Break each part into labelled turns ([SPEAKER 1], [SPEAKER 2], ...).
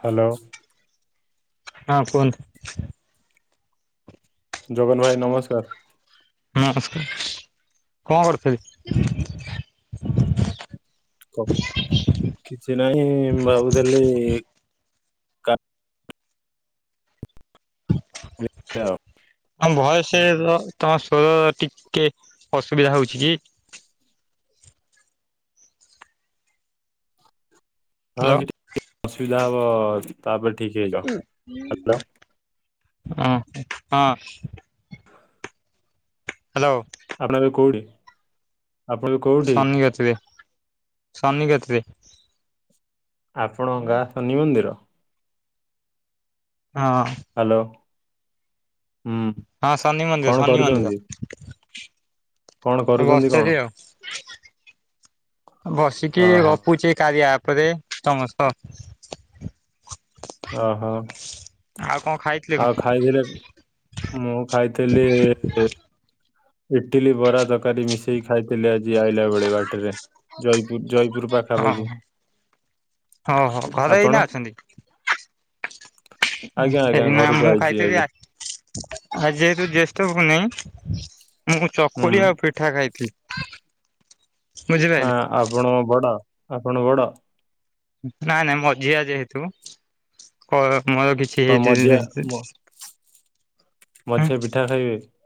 [SPEAKER 1] Hello!
[SPEAKER 2] ହଁ କୁହନ୍ତୁ
[SPEAKER 1] ଜଗନ୍ ଭାଇ ନମସ୍କାର!
[SPEAKER 2] ନମସ୍କାର କଣ କରୁଥିଲେ
[SPEAKER 1] କିଛି ନାହିଁ ଭାବୁଥିଲି କା- ହ-
[SPEAKER 2] ତମ ଭଏସ୍, ତମ ସ୍ୱର ଟିକେ ଅସୁବିଧା ହେଉଛି କି?
[SPEAKER 1] ହଁ
[SPEAKER 2] ହ୍ୟାଲୋ
[SPEAKER 1] ସେଠି ଅସୁବିଧା ହବ। ତାପରେ ଠିକ୍ ହେଇ
[SPEAKER 2] ଓଁ ହଁ! ହ୍ୟାଲୋ!
[SPEAKER 1] ଆପଣ ଏବେ କେଉଁଠି?
[SPEAKER 2] ଶନି କେତିରେ ଶନି କେତିରେ
[SPEAKER 1] ଆପଣ ଗାଁ ଶନି ମନ୍ଦିର?
[SPEAKER 2] ହଁ!
[SPEAKER 1] ହ୍ୟାଲୋ! ହୁଁ!
[SPEAKER 2] ହଁ ଶନି ମନ୍ଦିର
[SPEAKER 1] କଣ
[SPEAKER 2] ଶନି ମନ୍ଦିର
[SPEAKER 1] କରୁଛନ୍ତି? କଣ କରୁଛନ୍ତି
[SPEAKER 2] ବସିଥିଲି
[SPEAKER 1] କଣ?
[SPEAKER 2] ଆଉ। ବସିକି
[SPEAKER 1] ଓହୋ
[SPEAKER 2] ଗପୁଛି କାରିଯା ଆପ୍‌ରେ ତମ ସହ।
[SPEAKER 1] ଓହୋ
[SPEAKER 2] ଆଉ କଣ ଖାଇଥିଲେ କଣ?
[SPEAKER 1] ଆଉ ଖାଇଥିଲେ? ମୁଁ ଖାଇଥିଲି! ଇଟିଲି ବରା ତରକାରୀ ମିଶି ସେଇ ଖାଇଥିଲେ ଆଜି ଆଇଲା ବେଳେ ବାଟରେ ଜୟପୁର ଜୟପୁର
[SPEAKER 2] ହଁ
[SPEAKER 1] ପାଖାପାଖି
[SPEAKER 2] ହଁ ହୋ ଘରେ
[SPEAKER 1] ଆପଣ
[SPEAKER 2] ଏଇନା ଅଛନ୍ତି
[SPEAKER 1] ଆଜ୍ଞା ଆଜ୍ଞା
[SPEAKER 2] ଏଇନା
[SPEAKER 1] ଘରକୁ
[SPEAKER 2] ମୁଁ
[SPEAKER 1] ଆଇଛି
[SPEAKER 2] ଖାଇଥିଲି
[SPEAKER 1] ଆଜି
[SPEAKER 2] ଆ ଆ ଯେହେତୁ ଜ୍ୟେଷ୍ଠ ଭଉ ନହି ମୁଁ ଚକୁଳି
[SPEAKER 1] ହୁଁ।
[SPEAKER 2] ଆଉ ପିଠା ଖାଇଥିଲି।
[SPEAKER 1] ହଁ
[SPEAKER 2] ବୁଝିପାରିଲେ।
[SPEAKER 1] ଆପଣ ବଡ ଆପଣ ବଡ
[SPEAKER 2] ନାଇଁ ନାଇଁ ମଝିଆ ଯେହେତୁ କ ମୋର କିଛି
[SPEAKER 1] କଣ
[SPEAKER 2] ଏଇ
[SPEAKER 1] ମଝିଆ
[SPEAKER 2] ଜ
[SPEAKER 1] ମ [unintelligible]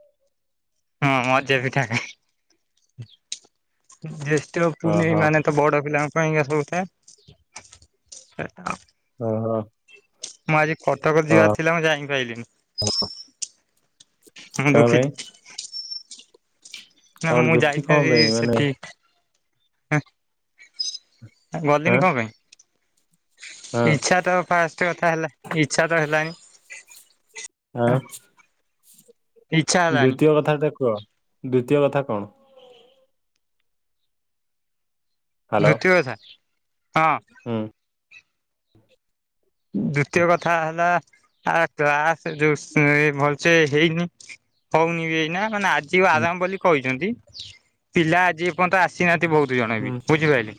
[SPEAKER 2] ହଁ ମଜା ପିଠା ଖାଇଲି ଜଷ୍ଠ ପୁନେଇ
[SPEAKER 1] ଓହୋ
[SPEAKER 2] ମାନେ ତ ବଡ଼ ପିଲାଙ୍କ ପାଇଁ ସବୁଥାଏ ସେଟା
[SPEAKER 1] ଓହୋ।
[SPEAKER 2] ମୁଁ ଆଜି କଟକରେ
[SPEAKER 1] ଓ
[SPEAKER 2] ଯିବାର ଥିଲା ମୁଁ ଯାଇ ପାଇାରଲିିନି ମୁଁ
[SPEAKER 1] କଣ ପାଇଁ
[SPEAKER 2] ଦୁଃଖିତ ନା
[SPEAKER 1] କଣ
[SPEAKER 2] ମୁଁ
[SPEAKER 1] ଦୁଃଖୀ କଣ
[SPEAKER 2] ଯାଇଥାନ୍ତିି
[SPEAKER 1] ପାଇଁ ମାନେ
[SPEAKER 2] ସେଠି
[SPEAKER 1] ହଁ
[SPEAKER 2] ଗଲିଣି କଣ
[SPEAKER 1] ହଁ
[SPEAKER 2] ପାଇଁ ଇଚ୍ଛା ତ ଫାଷ୍ଟ କଥା ହେଲା ଇଛାତ ହେଲାଣୀ
[SPEAKER 1] ହଁ!
[SPEAKER 2] ଇଚ୍ଛା ହେଲାନି
[SPEAKER 1] ଦ୍ଵିତୀୟ କଥା ଟା କୁହ ଦ୍ଵିତୀୟ କଥା କଣ?
[SPEAKER 2] ଧୁତିୀୟ କଥା ହଁ!
[SPEAKER 1] ହଁ!
[SPEAKER 2] ଦ୍ଵିତୀୟ କଥା ହେଲା ଆ କ୍ଲାସ ଯୋଉ ଭଲସେ ହେଇନି ହଉନି ବି ଏଇନା ଆଜି
[SPEAKER 1] ହୁଁ
[SPEAKER 2] ଆରାମ ବୋଲି କହିଛନ୍ତି ପିଲା ଆଜି ଏପର୍ଯ୍ୟନ୍ତ ଆସିନାହାନ୍ତି ବହୁତ ଜଣ ବି
[SPEAKER 1] ହୁଁ।
[SPEAKER 2] ବୁଝିପାଇଲେ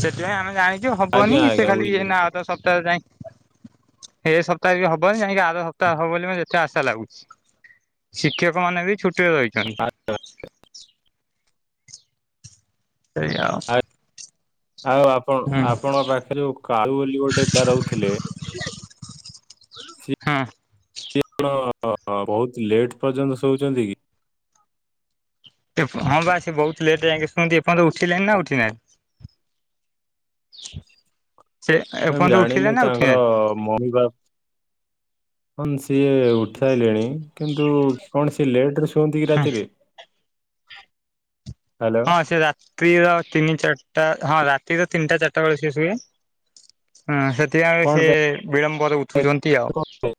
[SPEAKER 2] ସେଥିପାଇଁ ଆମେ ଜାଣିଛୁ ହବନି
[SPEAKER 1] ଆଜ୍ଞା
[SPEAKER 2] ସେ
[SPEAKER 1] ଆଜ୍ଞା
[SPEAKER 2] ଖାଲି
[SPEAKER 1] ବୁଝିଲି
[SPEAKER 2] ନା
[SPEAKER 1] ବୁଝିଲି
[SPEAKER 2] ତ ସ ସ୍ ଯ ଏ ସପ୍ତାହରେ ହବନି ଯାଇକି ଆର ସପ୍ତାହ ହବ ବୋଲି ଯାହା ଆଶା ଲାଗୁଛି ଶିକ୍ଷକମାନେ ବି ଛୁଟିରେ ରହିଛନ୍ତି।
[SPEAKER 1] ଆ
[SPEAKER 2] ସେଇଆ ଆଉ
[SPEAKER 1] ଆ ଆଉ ଆପଣ
[SPEAKER 2] ହୁଁ
[SPEAKER 1] ଆପଣଙ୍କ ପାଖରେ ଯୋଉ କଉ ବୋଲି ଗୋଟେ ପିଲା ରହୁଥିଲେ
[SPEAKER 2] ହଁ।
[SPEAKER 1] ଆପଣ ବହୁତ ଲେଟ୍ ପର୍ଯ୍ୟନ୍ତ ଶୋଉଛନ୍ତି କି
[SPEAKER 2] ହଁ ବା ସେଏ ବହୁତ ଲେଟ୍ ଯାଇକି ଶୁଣନ୍ତି ଏପର୍ନ୍ତ ଉଠିଲେଣି ନା ଉଠି ନାହାନ୍ତି [unintelligible]
[SPEAKER 1] ମୁ ଜାଣିନି ତାଙ୍କର ମମି ବାପ ହଁ ସିଏ ଉଠି ସାରିଲେଣି କିନ୍ତୁ କଣ ସିଏ ଲେଟରେ ଶୁଅନ୍ତି କି ରାତିରେ ହ୍ୟାଲୋ
[SPEAKER 2] ହଁ ସେ ରାତିର ତିନି ଚାରିଟା ହଁ ରାତିର ତିନିଟା ଚାରିଟା ବେଳେ ସେ ସୁଏ। ହୁଁ ସେଥିପାଇଁ
[SPEAKER 1] କଣ
[SPEAKER 2] ସେ
[SPEAKER 1] ପାଇଁ
[SPEAKER 2] ବିଳମ୍ବରେ ଉଠୁଛନ୍ତି ଆଉ।
[SPEAKER 1] କଣ ପାଇଁ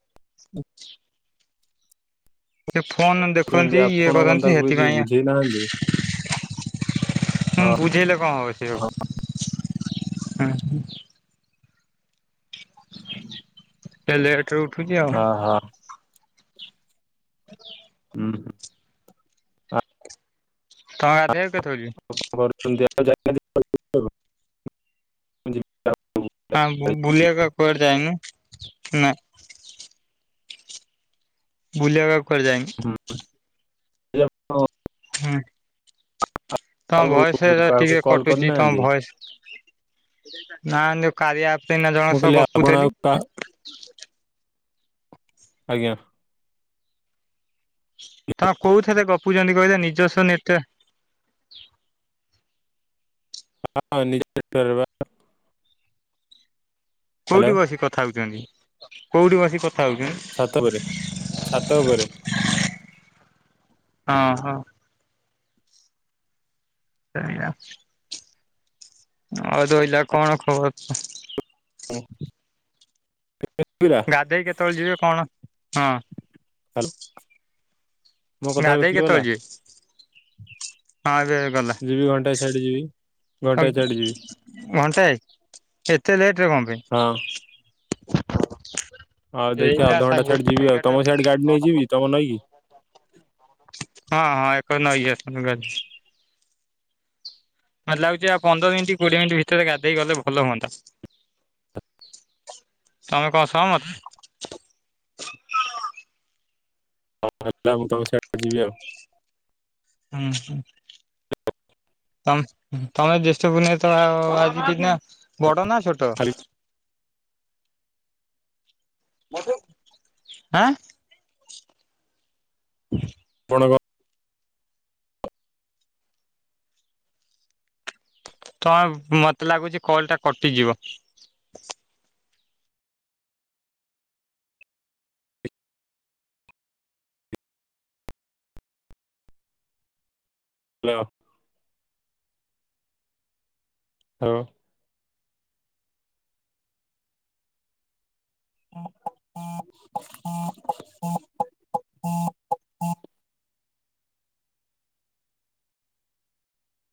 [SPEAKER 2] ସେ ଫୋନ
[SPEAKER 1] ଶୋଉଛନ୍ତି?
[SPEAKER 2] ଦେଖନ୍ତି ଇଏ
[SPEAKER 1] ଆପଣ କଣ
[SPEAKER 2] କରନ୍ତି
[SPEAKER 1] ତାକୁ କିଛି
[SPEAKER 2] ହେଥିପାଇଁ
[SPEAKER 1] ବୁଝେଇ ନାହାନ୍ତି? ଓହୋ
[SPEAKER 2] ମୁଁ ବୁଝେଇଲେ କଣ ହବ ସେ ଆଉ ହୁଁ ସେ ଲେଟରେ ଉଠୁଛି ଆଉ।
[SPEAKER 1] ଓ ହ।
[SPEAKER 2] [inaudible]
[SPEAKER 1] ଉ ହୁଁ।
[SPEAKER 2] ତମେ ଗାଧେଇବାକୁ କେତେବେଳେ ଯିବେ।
[SPEAKER 1] ଆଉ କଣ କରୁଛନ୍ତି ଆଉ ଯାଇ ମୁଁ ଯିବି ଆଉ ହୁଁ।
[SPEAKER 2] ଆଁ ବୁ ବୁଲିବାକୁ କୁଆଡ଼େ ଯାଇନୁ ନା ବୁଲିବାକୁ ଆଉ କୁଆଡ଼େ ଯାଇନୁ।
[SPEAKER 1] [unintelligible] ଏଇ ଆପଣ
[SPEAKER 2] ହୁଁ। ତମ ଭଏସ ଟା
[SPEAKER 1] କାହାକୁ
[SPEAKER 2] ଟିକେ
[SPEAKER 1] କଲ୍
[SPEAKER 2] କଟୁଛି ତମ
[SPEAKER 1] କରିନାହାନ୍ତି?
[SPEAKER 2] ଭଏସ ନା ଯୋଉ କାରିଆ ଆପ୍ ଏଇନା ଜଣକ ସହ ଗପୁଥେଲି
[SPEAKER 1] କଣ? ଆଜ୍ଞା।
[SPEAKER 2] ତମେ କୋଉଥିରେ ଗପୁଛନ୍ତି କହିଲେ ନିଜସ୍ୱ ନେଟ୍ୟାକ୍
[SPEAKER 1] ହଁ ନିଜର ନେଟ୍ୟାକ୍ ପା। ହ୍ୟାଲୋ
[SPEAKER 2] କଉଠି ବସିକି କଥା ହେଉଛନ୍ତି କଉଠି ବସିକି କଥା ହେଉଛନ୍ତି।
[SPEAKER 1] ଛାତ ଉପରେ ଛାତ ଉପରେ।
[SPEAKER 2] ଓ ହଁ। ସେଇଆ। ହଉ ଦହିଲା କଣ ଖବର ତ
[SPEAKER 1] ହୁଁ [unintelligible]
[SPEAKER 2] ଗାଧେଇ କେତେବେଳେ ଯିବେ କଣ ହଁ।
[SPEAKER 1] ହ୍ୟାଲୋ।
[SPEAKER 2] ଗାଧେଇ କେତେବେଳେ ଯିବେ?
[SPEAKER 1] ହ
[SPEAKER 2] ହଁ ଏବେ ଗଲା
[SPEAKER 1] ଘଣ୍ଟାଏ
[SPEAKER 2] ଘଂ
[SPEAKER 1] ଛାଡି ଯିବି
[SPEAKER 2] ଘଣ୍ଟାଏ। ଏତେ ଲେଟ ରେ କଣ
[SPEAKER 1] ହଁ।
[SPEAKER 2] ପାଇଁ?
[SPEAKER 1] ଆଉ ଦେଖିଆ
[SPEAKER 2] ଏଇନା
[SPEAKER 1] ଅଧଘଣ୍ଟା
[SPEAKER 2] ସାଗୋ
[SPEAKER 1] ଛାଡି ଯିବି ଆଉ
[SPEAKER 2] ଏଗାର
[SPEAKER 1] ତମ ସିଆଡେ ଗାଡି
[SPEAKER 2] ଟା [inaudible]
[SPEAKER 1] ନେଇଯିବି ତମ ନଈକି
[SPEAKER 2] ହଁ ହଁ ଏକଡ ନଇକୁ ଆସନ୍ତୁ ଗାଧ ମାନେ ଲାଗୁଛି ଆଉ ପନ୍ଦର ମିନିଟ କୋଡିଏ ମିନିଟ ଭିତରେ ଗାଧେଇ ଗଲେ ଭଲ ହୁଅନ୍ତା। ତମେ କଣ ସହମତ
[SPEAKER 1] ହଁ ହେଲା ମୁଁ ତମ ସେଇଆଡ଼େ ଯିବି ଆଉ
[SPEAKER 2] ଉ ହୁଁ। ତମ ଉହୁଁ ତମେ ଜ୍ୟେଷ୍ଠ ପୂର୍ଣ୍ଣେଇ ତ ଆ ଆଜି ନା ବଡ ନା ଛୋଟ?
[SPEAKER 1] ଖାଲି
[SPEAKER 2] ଆଁ?
[SPEAKER 1] ପଣବ।
[SPEAKER 2] ତମେ ମତେ ଲାଗୁଛି କଲ ଟା କଟିଯିବ।
[SPEAKER 1] ହ୍ୟାଲୋ। ହାଲୋ। [inaudible]